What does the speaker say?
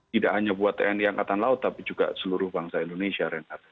tidak hanya buat tni angkatan laut tapi juga seluruh bangsa indonesia